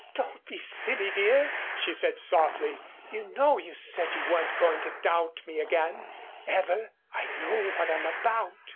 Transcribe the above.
"Don't be silly, dear," she said, softly. "You know you said you weren't going to doubt me again ever. I know what I'm about.